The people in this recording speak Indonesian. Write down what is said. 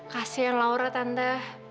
kasian laura tante